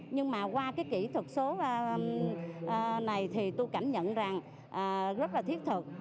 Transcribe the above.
nhưng mà qua cái kỹ thuật số này thì tôi cảm nhận rằng rất là thiết thực